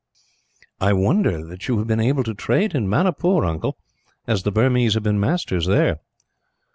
"I wonder that you have been able to trade in Manipur, uncle, as the Burmese have been masters there."